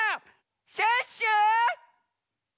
シュッシュ！